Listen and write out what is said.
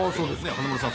華丸さん